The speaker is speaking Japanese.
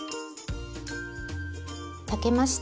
炊けました。